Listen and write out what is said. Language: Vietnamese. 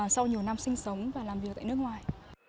sau nhiều năm sinh sống và làm việc tại nước ngoài